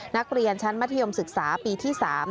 นักเรียนชั้นมัธยมศึกษาปีที่๓